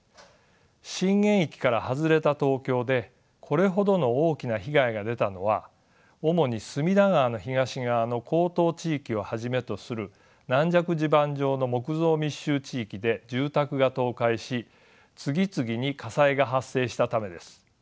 震源域から外れた東京でこれほどの大きな被害が出たのは主に隅田川の東側の江東地域をはじめとする軟弱地盤上の木造密集地域で住宅が倒壊し次々に火災が発生したためです。